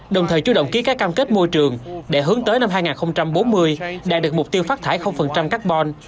đồng thời chú động ký các cam kết môi trường để hướng tới năm hai nghìn bốn mươi đạt được mục tiêu phát thải carbon